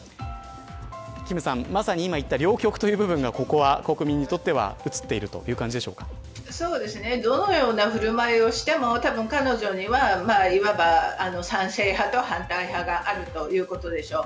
キムさん、まさに今言った両極という部分が国民にうつっているどのような振る舞いをしても彼女にはいわば賛成派と反対派があるということでしょう。